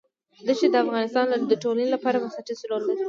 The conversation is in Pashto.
دښتې د افغانستان د ټولنې لپاره بنسټيز رول لري.